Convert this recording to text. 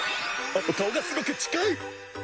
あと顔がすごく近い！